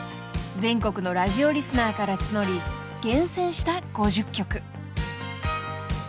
［全国のラジオリスナーから募り厳選した５０曲］